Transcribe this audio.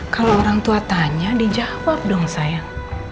kalau orang tua tanya dijawab dong sayang